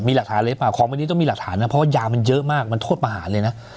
มีหลักฐานเล็บของวันนี้ต้องมีหลักฐานนะเพราะว่ายามันเยอะมากมันโทษประหารเลยนะ